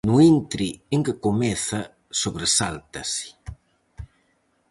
No intre en que comeza, sobresáltase.